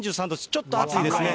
ちょっと暑いですね。